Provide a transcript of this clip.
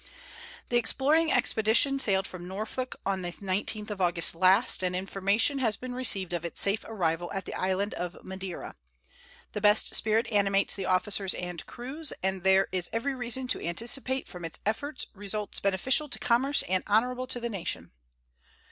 The exploring expedition sailed from Norfolk on the 19th of August last, and information has been received of its safe arrival at the island of Madeira. The best spirit animates the officers and crews, and there is every reason to anticipate from its efforts results beneficial to commerce and honorable to the nation.